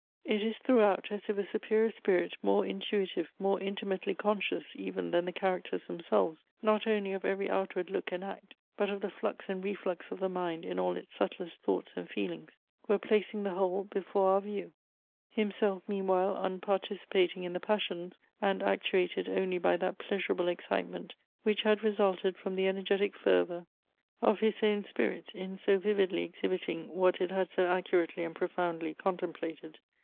It is throughout as if a superior spirit more intuitive, more intimately conscious, even than the characters themselves, not only of every outward look and act, but of the flux and reflux of the mind in all its subtlest thoughts and feelings, were placing the whole before our view; himself meanwhile unparticipating in the passions, and actuated only by that pleasurable excitement, which had resulted from the energetic fervour of his own spirit in so vividly exhibiting what it had so accurately and profoundly contemplated.